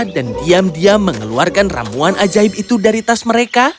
dan diam diam mengeluarkan ramon ajaib itu dari tas mereka